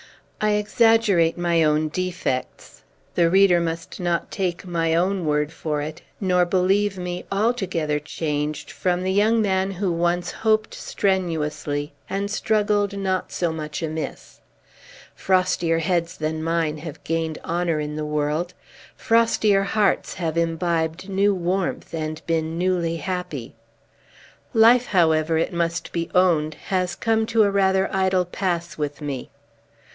I exaggerate my own defects. The reader must not take my own word for it, nor believe me altogether changed from the young man who once hoped strenuously, and struggled not so much amiss. Frostier heads than mine have gained honor in the world; frostier hearts have imbibed new warmth, and been newly happy. Life, however, it must be owned, has come to rather an idle pass with me.